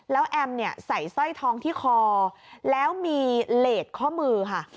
แล้วแอมเนี่ยใส่สร้อยทองที่คอแล้วมีเลสข้อมือค่ะ